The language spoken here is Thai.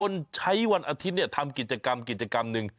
คนใช้วันอาทิตย์เนี่ยทำกิจกรรมกิจกรรมหนึ่ง